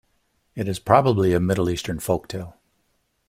It is probably a Middle Eastern folk tale.